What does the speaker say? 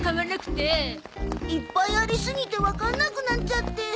いっぱいありすぎてわかんなくなっちゃって。